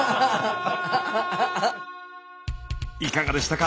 いかがでしたか？